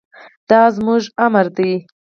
دا زموږ امر دی.